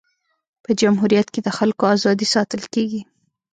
په جمهوریت کي د خلکو ازادي ساتل کيږي.